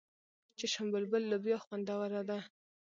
چشم بلبل لوبیا خوندوره ده.